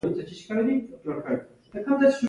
د ښوونځي شاګردان ول.